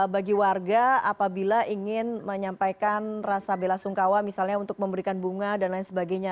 bagi warga apabila ingin menyampaikan rasa bela sungkawa misalnya untuk memberikan bunga dan lain sebagainya